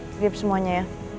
grip semuanya ya